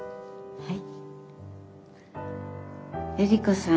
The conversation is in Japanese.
はい。